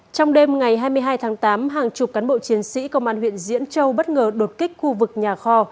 trong đêm ngày hai mươi hai tháng tám hàng chục cán bộ chiến sĩ công an huyện diễn châu bất ngờ đột kích khu vực nhà kho